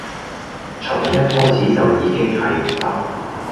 從一開始就已經係唔得